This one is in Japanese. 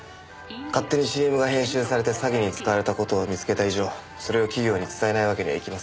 勝手にＣＭが編集されて詐欺に使われた事を見つけた以上それを企業に伝えないわけにはいきません。